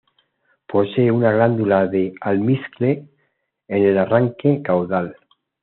Posee una glándula de almizcle en el arranque caudal.